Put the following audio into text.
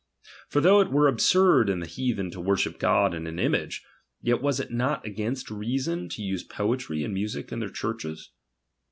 For though it were absurd in the heathen to worship God in an image, yet was it not against reason to use poetry and music in their churches.